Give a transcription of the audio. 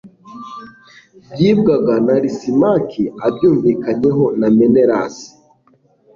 byibwaga na lisimaki abyumvikanyeho na menelasi